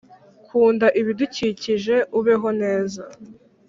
kunda ibidukikije, ubeho neza